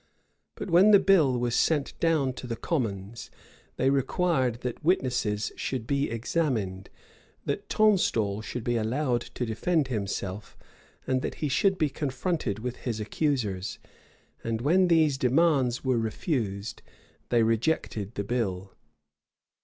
But when the bill was sent down to the commons, they required that witnesses should be examined, that Tonstal should be allowed to defend himself, and that he should be confronted with his accusers; and when these demands were refused, they rejected the bill.